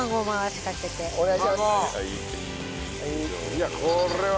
いやこれは。